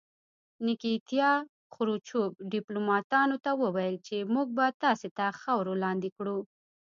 نیکیتیا خروچوف ډیپلوماتانو ته وویل چې موږ به تاسې تر خاورو لاندې کړو